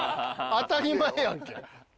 当たり前やんけ。